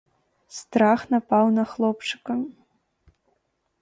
Страх напаў на хлопчыка.